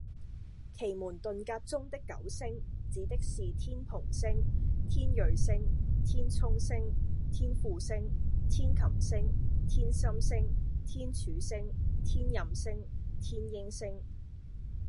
奇門遁甲中的九星，指的是天蓬星、天芮星、天沖星、天輔星、天禽星、天心星、天柱星、天任星、天英星